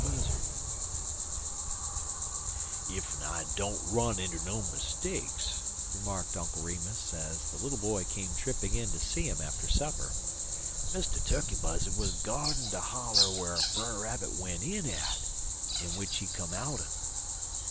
BUZZARD "EF I don't run inter no mistakes," remarked Uncle Remus, as the little boy came tripping in to see him after supper, "Mr. Tukkey Buzzard wuz gyardin' de holler whar Brer Rabbit went in at, en w'ich he come out un."